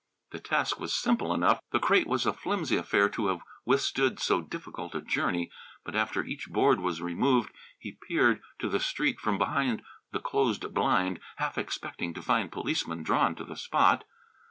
The task was simple enough; the crate was a flimsy affair to have withstood so difficult a journey. But after each board was removed he peered to the street from behind the closed blind, half expecting to find policemen drawn to the spot.